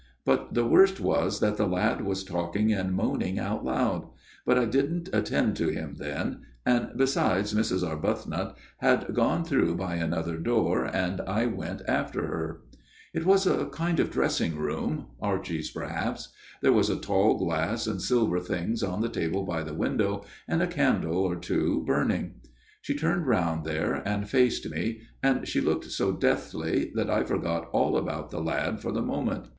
" But the worst was that the lad was talking and moaning out loud ; but I didn't attend to him then, and, besides, Mrs. Arbuthnot had gone through by another door and I went after her. " It was a kind of dressing room Archie's perhaps. There was a tall glass and silver things on the table by the window, and a candle or 164 A MIRROR OF SHALOTT two burning. She turned round there and faced me, and she looked so deathly that I forgot all about the lad for the present.